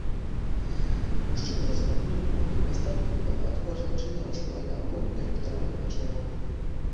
Мужчыны распраглі коней, паставілі палатку, а жанчыны расклалі агонь і рыхтавалі вячэру.